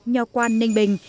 nho quan ninh bình